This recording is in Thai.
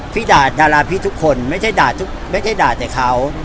พี่ด่าดาราพี่ทุกคนไม่ใช่ด่าแต่เขา